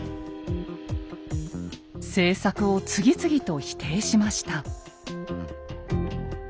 政策を次々と否定しました。